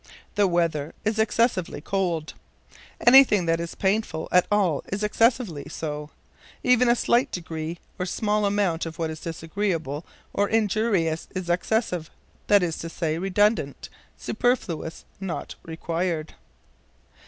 "The weather is excessively cold." Anything that is painful at all is excessively so. Even a slight degree or small amount of what is disagreeable or injurious is excessive that is to say, redundant, superfluous, not required.